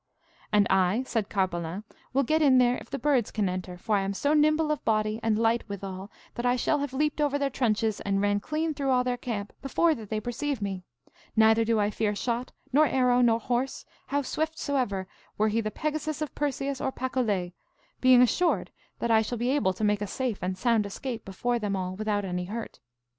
And I, said Carpalin, will get in there if the birds can enter, for I am so nimble of body, and light withal, that I shall have leaped over their trenches, and ran clean through all their camp, before that they perceive me; neither do I fear shot, nor arrow, nor horse, how swift soever, were he the Pegasus of Perseus or Pacolet, being assured that I shall be able to make a safe and sound escape before them all without any hurt.